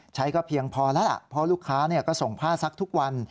ใช้ก็เพียงพอแล้วล่ะเพราะลูกค้าก็ส่งผ้าซักทุกวัน